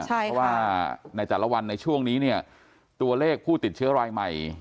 เพราะว่าในแต่ละวันในช่วงนี้เนี่ยตัวเลขผู้ติดเชื้อรายใหม่